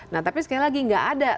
nah tapi sekali lagi nggak ada